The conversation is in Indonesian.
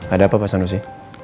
ada apa pak sanusi